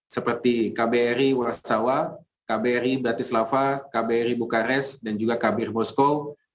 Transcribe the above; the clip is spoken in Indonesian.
seperti kbr warsawa kbr bratislava kbr bukares dan juga kbr moskow